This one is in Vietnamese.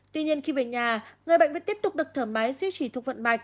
tuy nhiên khi về nhà người bệnh vẫn tiếp tục được thở máy duy trì thuộc vận mạch